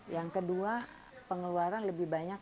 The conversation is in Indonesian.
yang kedua pengeluaran lebih banyak